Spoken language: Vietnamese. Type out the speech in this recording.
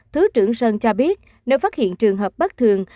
thứ trưởng sơn cho biết nếu phát hiện trường hợp bất thường